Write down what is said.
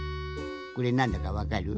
これなんだかわかる？